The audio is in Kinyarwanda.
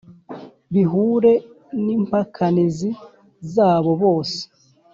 Bihure n’impakanizi zabo bose